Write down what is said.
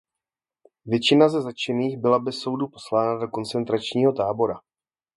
Většina ze zatčených byla bez soudu poslána do koncentračního tábora.